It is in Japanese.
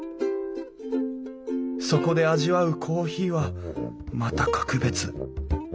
そこで味わうコーヒーはまた格別。